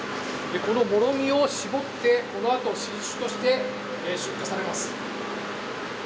このもろみを絞ってその後新酒として出荷されます。